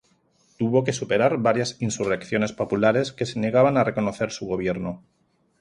Tuvo que superar varias insurrecciones populares que se negaban a reconocer su gobierno.